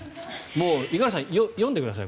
もう五十嵐さん読んでください。